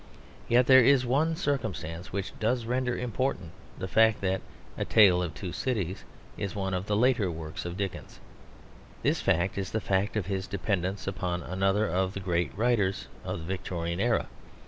Yet there is one circumstance which does render important the fact that A Tale of Two Cities is one of the later works of Dickens. This fact is the fact of his dependence upon another of the great writers of the Victorian era.